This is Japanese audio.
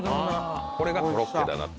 これがコロッケだなって。